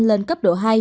lên cấp độ hai